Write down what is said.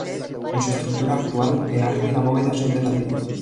En su estructura actual, el arco y la bóveda son de ladrillo.